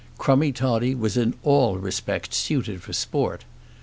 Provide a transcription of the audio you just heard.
Crummie Toddie was in all respects suited for sport.